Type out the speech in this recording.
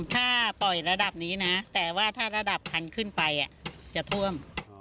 ถ้าปล่อยระดับนี้นะแต่ว่าถ้าระดับคันขึ้นไปจะท่วม